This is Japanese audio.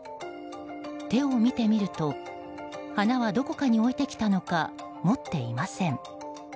手を見てみると花はどこかに置いてきたのか持っていません。